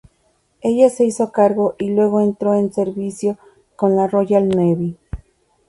Ella se hizo cargo y luego entró en servicio como en la Royal Navy.